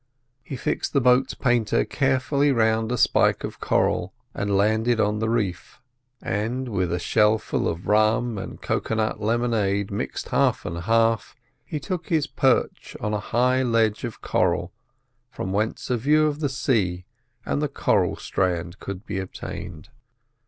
He fixed the boat's painter carefully round a spike of coral and landed on the reef, and with a shellful of rum and cocoa nut lemonade mixed half and half, he took his perch on a high ledge of coral from whence a view of the sea and the coral strand could be obtained.